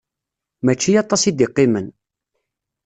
Mačči aṭas i d-iqqimen.